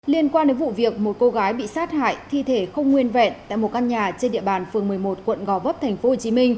liên quan đến vụ việc một cô gái bị sát hại thi thể không nguyên vẹn tại một căn nhà trên địa bàn phường một mươi một quận gò vấp tp hcm